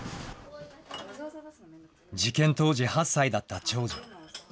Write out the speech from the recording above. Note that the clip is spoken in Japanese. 事件当時８歳だった長女。